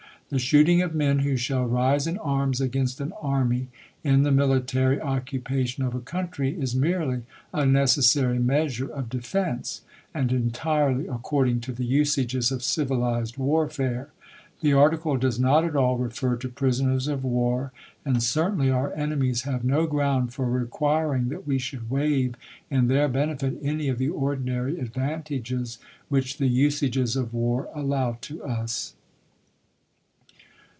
The shooting of men who shall rise in arms against an army in the mili tary occupation of a country is merely a necessary measure of defense, and entirely according to the usages of civilized warfare. The article does not at all refer to Fremont to prisoners of war, and certainly our enemies have no ge^^g^ig^i ground for requiring that we should waive in their bene w^ ^•'^4"'" fit any of the ordinary advantages which the usages of "478." war allow to us.